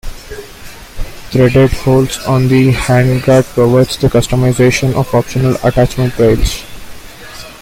Threaded holes on the handguard provide the customization of optional attachment rails.